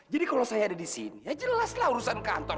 jadi kalau saya ada di sini ya jelas lah urusan kantor